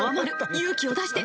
勇気を出して］